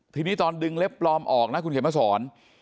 ทีนี้ตอนดึงเล็บปลอมออกนะคุณเขียนมาสอน